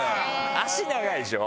脚長いでしょ。